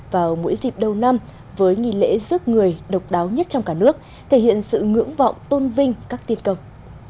vào mỗi dịp đầu năm với nghi lễ rước người độc đáo nhất trong cả nước thể hiện sự ngưỡng vọng tôn vinh các tiên công